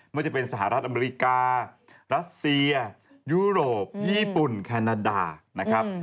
ว่าจะเป็นสหรัฐอเมริการัสเซียยุโรปญี่ปุ่นแคนาดานะครับ